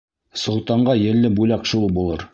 Солтанға елле бүләк шул булыр.